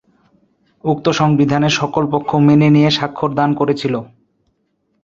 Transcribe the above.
উক্ত সংবিধানে সকল পক্ষ মেনে নিয়ে স্বাক্ষর দান করেছিল।